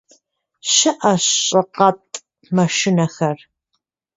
Щыӏэщ щӏыкъэтӏ машинэхэр.